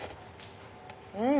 うん！